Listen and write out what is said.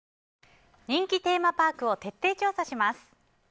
人気テーマパークを徹底調査します。